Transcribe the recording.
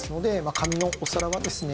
紙のお皿はですね